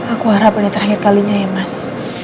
aku harap ini terakhir kalinya ya mas